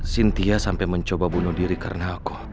cynthia sampai mencoba bunuh diri karena aku